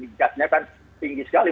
gas nya kan tinggi sekali